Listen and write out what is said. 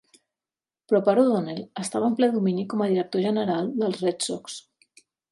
Però per O'Donnell estava en ple domini com a director general dels Red Sox.